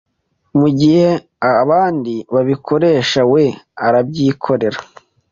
Mu gihe abandi babikoresha we arabyikorera